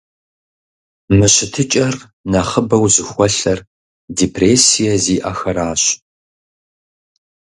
Мы щытыкӀэр нэхъыбэу зыхуэлъэр депрессие зиӀэхэращ.